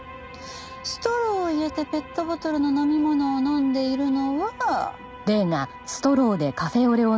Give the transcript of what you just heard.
ストローを入れてペットボトルの飲み物を飲んでいるのは。